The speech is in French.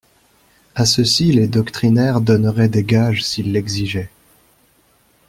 A ceux-ci les doctrinaires donneraient des gages s'ils l'exigeaient.